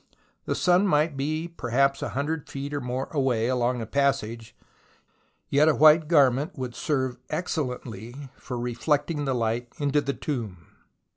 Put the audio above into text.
The sun might be perhaps a hundred feet or more away along a passage, yet a white garment would serve excellently for reflecting the light into the tomb.